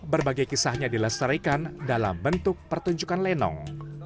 berbagai kisahnya dilestarikan dalam bentuk pertunjukan lenong